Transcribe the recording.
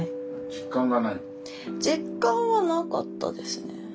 実感はなかったですね。